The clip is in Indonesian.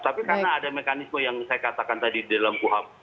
tapi karena ada mekanisme yang saya katakan tadi di dalam kuhap